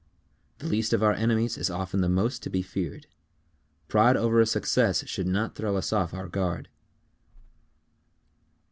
The least of our enemies is often the most to be feared. _Pride over a success should not throw us off our guard.